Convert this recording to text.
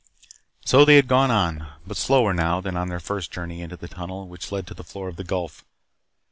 So they had gone on, but slower now than on their first journey into the tunnel which led to the floor of the Gulf.